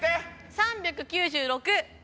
３９６！